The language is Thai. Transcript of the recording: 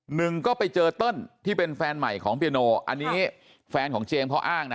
หนึ่งก็ไปเจอเติ้ลที่เป็นแฟนใหม่ของเปียโนอันนี้แฟนของเจมส์เขาอ้างนะ